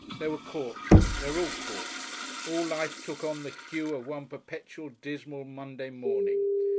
They were caught they were all caught. All life took on the hue of one perpetual, dismal Monday morning.